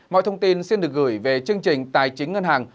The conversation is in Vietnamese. mọi thông tin xin được gửi về chương trình tài chính ngân hàng